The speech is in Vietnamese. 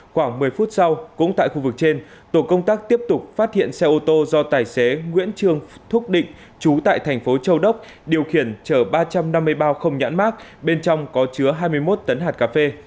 khoảng một mươi phút sau cũng tại khu vực trên tổ công tác tiếp tục phát hiện xe ô tô do tài xế nguyễn trương thúc định trú tại thành phố châu đốc điều khiển chở ba trăm năm mươi bao không nhãn mát bên trong có chứa hai mươi một tấn hạt cà phê